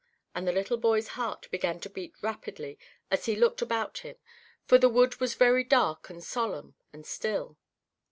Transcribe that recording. and the little boy's heart began to beat rapidly as he looked about him; for the wood was very dark and solemn and still.